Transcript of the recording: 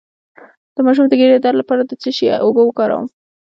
د ماشوم د ګیډې درد لپاره د څه شي اوبه وکاروم؟